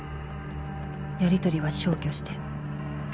「やりとりは消去して」